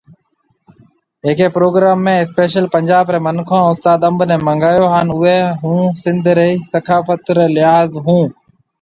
ھيَََڪي پروگرام ۾ اسپيشل پنجاب ري منکون استاد انب ني منگايو ھان اوئي ھونسنڌ ري ثقافت ري لحاظ ۿون